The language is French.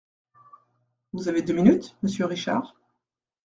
Vous avez deux minutes, monsieur Richard...